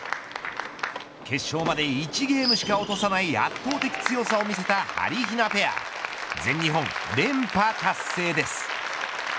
決勝まで１ゲームしか落とさない圧倒的強さを見せたはりひなペア全日本連覇達成です。